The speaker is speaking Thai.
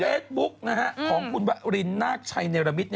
คือมันเป็นเฟซบุ๊กนะครับของคุณวะลินนาคชัยเนรมิต